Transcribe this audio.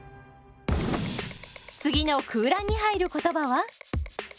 次の空欄に入る言葉は？